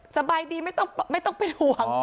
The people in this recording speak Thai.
สบายดีไม่ต้องเป็นห่วง